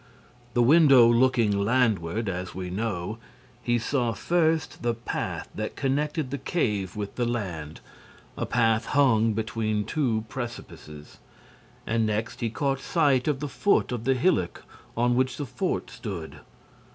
The window looking landward, as we know, he saw, first, the path that connected the cave with the land, a path hung between two precipices; and, next, he caught sight of the foot of the hillock on which the fort stood.